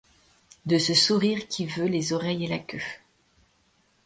De ce sourire qui veut les oreilles et la queue.